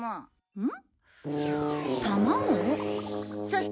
うん？